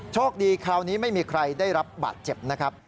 โชคดีคราวนี้ไม่มีใครได้รับบาดเจ็บนะครับ